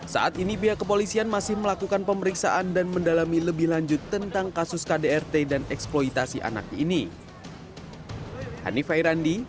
saat ini pihak kepolisian masih melakukan pemeriksaan dan mendalami lebih lanjut tentang kasus kdrt dan eksploitasi anak ini